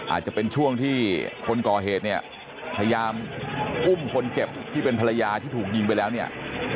อาจจะเป็นช่วงที่คนก่อเหตุเนี่ยพยายามอุ้มคนเจ็บที่เป็นภรรยาที่ถูกยิงไปแล้วเนี่ย